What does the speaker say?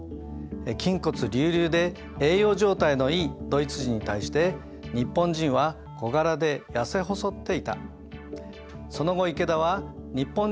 筋骨隆々で栄養状態のいいドイツ人に対して日本人は小柄で痩せ細っていた。